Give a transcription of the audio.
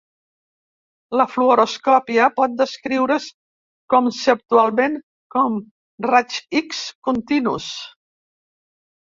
La fluoroscòpia pot descriure's conceptualment com raigs X continus.